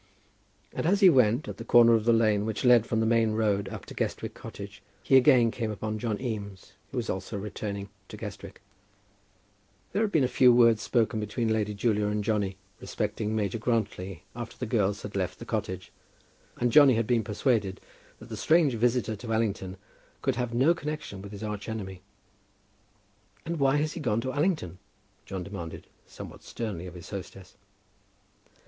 And as he went, at the corner of the lane which led from the main road up to Guestwick cottage, he again came upon John Eames, who was also returning to Guestwick. There had been a few words spoken between Lady Julia and Johnny respecting Major Grantly after the girls had left the cottage, and Johnny had been persuaded that the strange visitor to Allington could have no connection with his arch enemy. "And why has he gone to Allington?" John demanded, somewhat sternly, of his hostess.